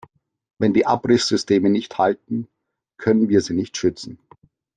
Wenn die Abrisssysteme nicht halten, können wir sie nicht schützen.